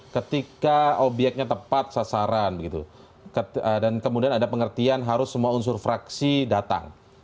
ketika obyeknya tepat sasaran dan kemudian ada pengertian harus semua unsur fraksi datang